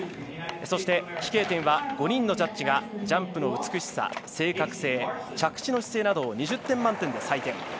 そして、飛型点は５人のジャッジがジャンプの美しさ正確性、着地の姿勢などを２０点満点で採点。